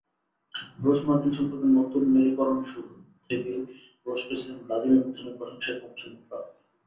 রুশ-মার্কিন সম্পর্কের নতুন মেরুকরণশুরু থেকেই রুশ প্রেসিডেন্ট ভ্লাদিমির পুতিনের প্রশংসায় পঞ্চমুখ ট্রাম্প।